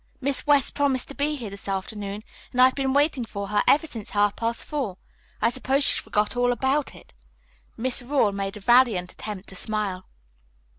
Miss West promised to be here this afternoon, and I've been waiting for her ever since half past four. I suppose she forgot all about it." Miss Rawle made a valiant attempt to smile.